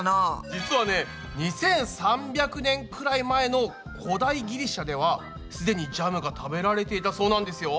実はね２３００年くらい前の古代ギリシャではすでにジャムが食べられていたそうなんですよ。